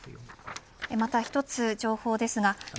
また１つ情報です。